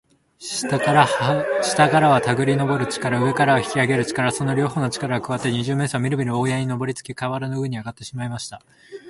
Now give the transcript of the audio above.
下からはたぐりのぼる力、上からは引きあげる力、その両ほうの力がくわわって、二十面相はみるみる大屋根にのぼりつき、かわらの上にはいあがってしまいました。